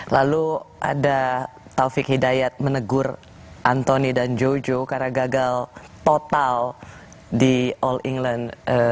lalu ada taufik hidayat menegur anthony dan jojo karena gagal total di all england dua ribu sembilan belas